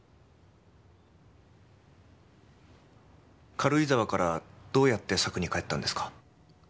軽井沢からどうやって佐久に帰ったんですか？